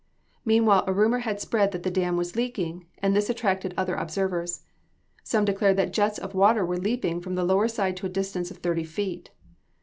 Meanwhile a rumor had spread that the dam was leaking, and this attracted other observers. Some declared that jets of water were leaping from the lower side to a distance of thirty feet.